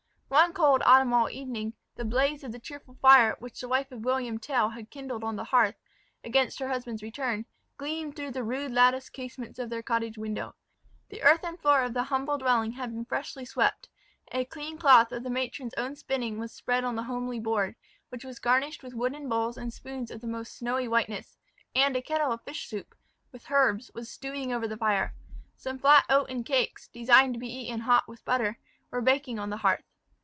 One cold autumnal evening, the blaze of the cheerful fire which the wife of William Tell had kindled on the hearth, against her husband's return, gleamed through the rude latticed casements of their cottage window. The earthern floor of the humble dwelling bad been freshly swept; a clean cloth of the matron's own spinning, was spread on the homely board, which was garnished with wooden bowls and spoons of the most snowy whiteness; and a kettle of fish soup, with herbs, was stewing over the fire. Some flat oaten cakes, designed to be eaten hot with butter, were baking on the hearth.